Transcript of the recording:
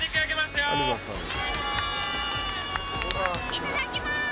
いただきます。